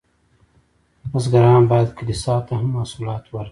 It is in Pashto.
بزګران باید کلیسا ته هم محصولات ورکړي.